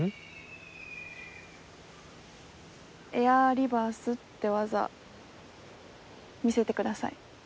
エアーリバースって技見せてください。